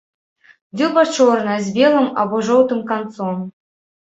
Дзюба чорная, з белым або жоўтым канцом.